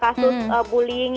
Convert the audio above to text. kalau kita lihat